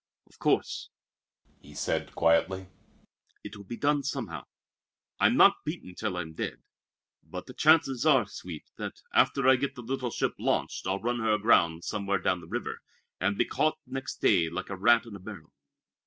"Of course," he said quietly, "it will be done somehow. I'm not beaten till I'm dead. But the chances are, Sweet, that after I get the little ship launched I'll run her aground somewhere down the river, and be caught next day like a rat in a barrel.